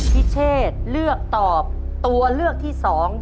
เชษเลือกตอบตัวเลือกที่๒